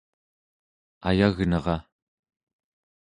ayagnera